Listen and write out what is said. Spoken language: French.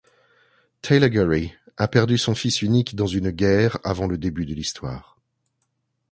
Teillagory a perdu son fils unique dans une guerre avant le début de l'histoire.